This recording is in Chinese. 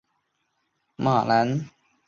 疏花马蓝属是爵床科下的一个属。